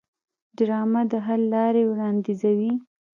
ډرامه د حل لارې وړاندیزوي